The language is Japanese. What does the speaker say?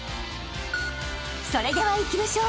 ［それではいきましょう］